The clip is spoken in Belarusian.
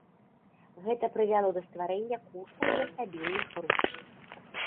Гэта прывяло да стварэння курсаў для стабільных груп.